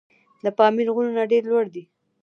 د پامیر غرونه ډېر لوړ دي.